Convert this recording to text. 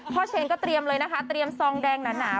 เชนก็เตรียมเลยนะคะเตรียมซองแดงหนา